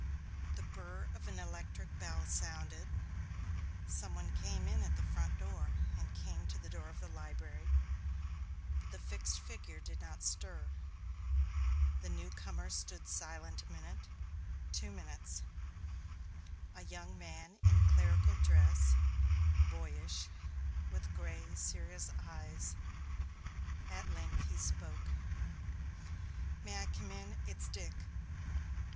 The burr of an electric bell sounded; some one came in at the front door and came to the door of the library, but the fixed figure did not stir. The newcomer stood silent a minute, two minutes; a young man in clerical dress, boyish, with gray, serious eyes. At length he spoke. "May I come in? It's Dick."